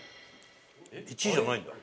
１位じゃないんだ。